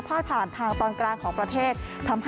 ส่วนในระยะนี้หลายพื้นที่ยังคงพบเจอฝนตกหนักได้ค่ะ